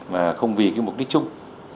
mà không vì cái mục đích chung